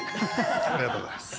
ありがとうございます。